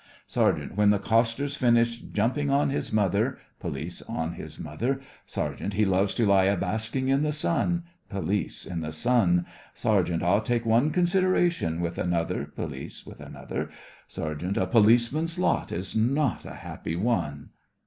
SERGEANT: When the coster's finished jumping on his mother, POLICE: On his mother, SERGEANT: He loves to lie a basking in the sun. POLICE: In the sun. SERGEANT: Ah, take one consideration with another, POLICE: With another, SERGEANT: A policeman's lot is not a happy one.